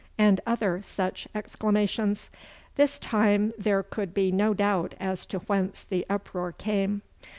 and other such exclamations. This time there could be no doubt as to whence the uproar came.